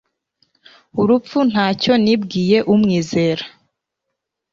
Urupfu ntacyo nlbwiye umwizera.